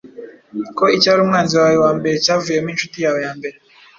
ko icyari umwanzi wawe wa mbere cyavuyemo inshuti yawe ya mbere,